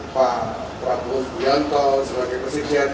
pak prabowo subianto sebagai presiden